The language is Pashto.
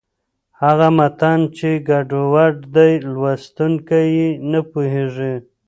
هغه متن چې ګډوډه دی، لوستونکی یې نه پوهېږي.